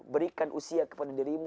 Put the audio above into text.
berikan usia kepada dirimu